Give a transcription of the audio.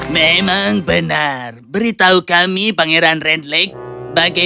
memang benar beritahu kami pangeran redleg bagaimana kau bisa membuat sup dari pasak sosis